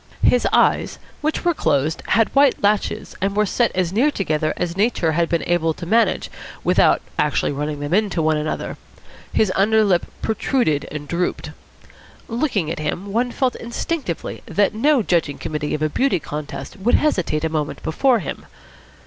His eyes, which were closed, had white lashes and were set as near together as Nature had been able to manage without actually running them into one another. His under lip protruded and drooped. Looking at him, one felt instinctively that no judging committee of a beauty contest would hesitate a moment before him.